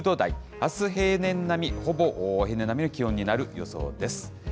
あす平年並み、ほぼ平年並みの気温になる予想です。